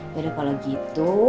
yaudah kalau gitu